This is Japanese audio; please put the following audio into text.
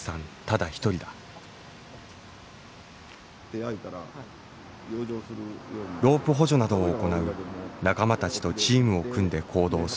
ロープ補助などを行う仲間たちとチームを組んで行動する。